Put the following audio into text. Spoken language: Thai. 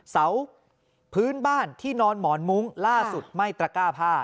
เสาพื้นบ้านที่นอนหมอนมุ้งล่าสุดไหม้ตระก้าผ้า